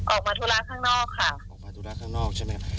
ออกมาธุรกิจข้างนอกค่ะออกมาธุรกิจข้างนอกใช่ไหม